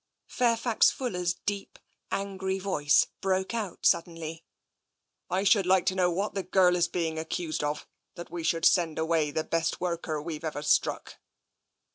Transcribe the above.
Fairfax Fuller's deep, angry voice broke out sud denly :" I should like to know what the girl is being ac cused of, that we should send away the best worker we've ever struck."